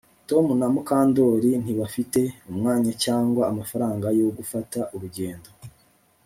Tom na Mukandoli ntibafite umwanya cyangwa amafaranga yo gufata urugendo